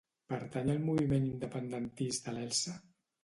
Pertany al moviment independentista l'Elsa?